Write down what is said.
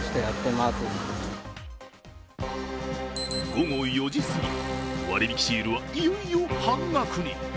午後４時過ぎ、割引シールはいよいよ半額に。